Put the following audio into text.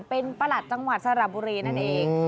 เป็นประหลัดจังหวัดสระบุรีนั่นเอง